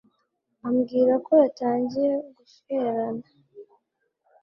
ambwira ko yatangiye guswerana